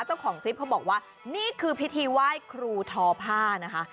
เจ้าของคลิปเขาบอกว่านี่คือพิธีไหว้ครูทอผ้านะคะ